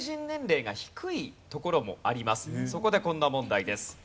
そこでこんな問題です。